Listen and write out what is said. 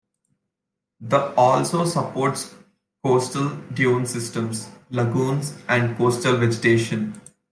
The also supports coastal dune systems, lagoons and coastal vegetation.